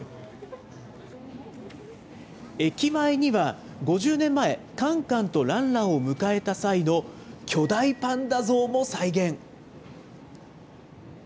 駅前には、５０年前、カンカンとランランを迎えた際の巨大パンダ像も再現。